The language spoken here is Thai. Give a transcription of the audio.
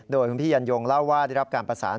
โดยคุณพี่ยันยงเล่าว่าได้รับการประสาน